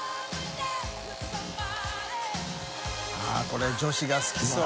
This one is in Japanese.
海女子が好きそう。